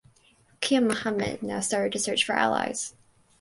Kiya Muhammad now started to search for allies.